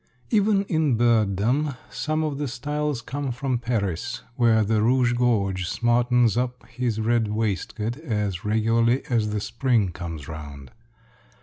Even in birddom some of the styles come from Paris, where the rouge gorge smartens up his red waistcoat as regularly as the spring comes round.